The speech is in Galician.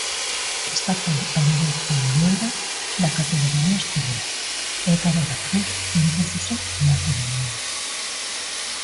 Esta foi a mellor traiñeira na categoría masculina, e Cabo da Cruz impúxose na feminina.